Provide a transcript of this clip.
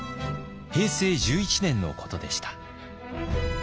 平成１１年のことでした。